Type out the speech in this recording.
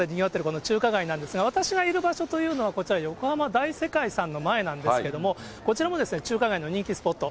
この中華街なんですが、私がいる場所というのは、こちら、横浜大世界さんの前なんですけれども、こちらも中華街の人気スポット。